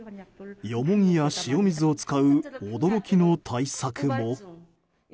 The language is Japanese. ヨモギや塩水を使う驚きの対策も。